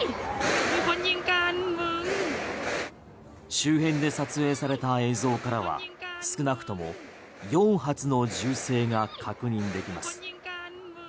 周辺で撮影された映像からは少なくとも４発の銃声が確認できます。